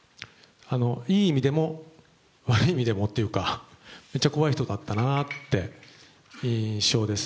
いい意味でも悪い意味でもというか、めっちゃ怖い人だったなという印象です。